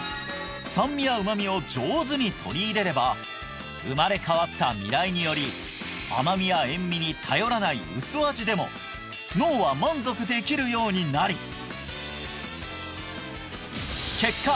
酸味や旨味を上手に取り入れれば生まれ変わった味蕾により甘味や塩味に頼らない薄味でも脳は満足できるようになり結果